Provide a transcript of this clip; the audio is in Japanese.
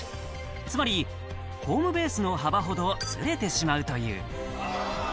つまりホームベースの幅ほどずれてしまうという。